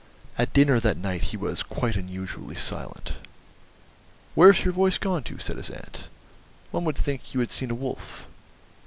At dinner that night he was quite unusually silent. "Where's your voice gone to?" said his aunt. "One would think you had seen a wolf."